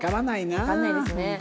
わからないですね。